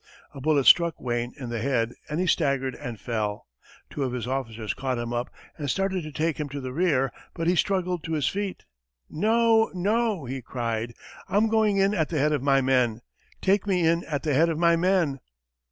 A bullet struck Wayne in the head, and he staggered and fell. Two of his officers caught him up and started to take him to the rear, but he struggled to his feet. "No, no," he cried, "I'm going in at the head of my men! Take me in at the head of my men!"